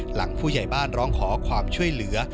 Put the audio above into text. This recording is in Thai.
หลังผู้ใหญ่บ้านร้องขอความช่วยเหลือ